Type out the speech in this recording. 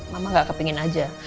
mama tidak kepingin saja